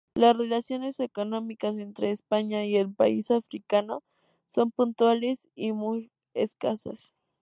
Las relaciones económicas entre España y el país africano son puntuales y muy escasas.